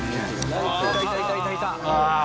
いたいたいたいた！